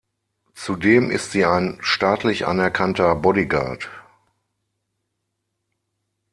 Zudem ist sie ein staatlich anerkannter Bodyguard.